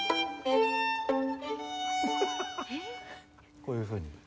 こういうふうに。